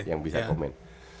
yang bisa komen